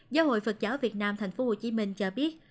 giáo hội phật giáo việt nam thành phố hồ chí minh cho biết